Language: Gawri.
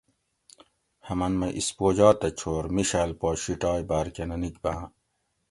ہمن مئی اسپوجا تہ چھور مِیشاۤل پا شیٹائی باۤر کہ نہ نِکباۤں